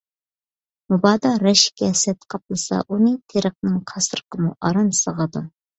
مۇبادا رەشك - ھەسەت قاپلىسا ئۇنى، تېرىقنىڭ قاسرىقىمۇ ئاران سىغىدۇ.